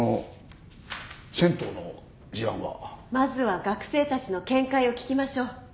まずは学生たちの見解を聞きましょう。